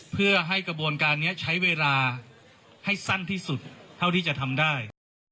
เพื่อให้กระบวนการนี้ใช้เวลาให้สั้นที่สุดเท่าที่จะทำได้